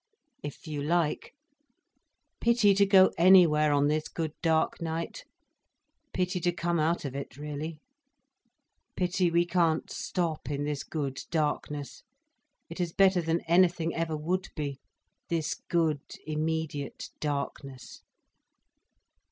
"If you like. Pity to go anywhere on this good dark night. Pity to come out of it, really. Pity we can't stop in the good darkness. It is better than anything ever would be—this good immediate darkness."